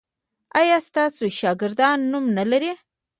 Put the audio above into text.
ایا ستاسو شاګردان نوم نلري؟